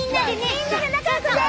みんなで仲よくね！